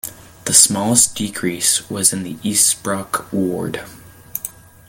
The smallest decrease was in the Eastbrook ward.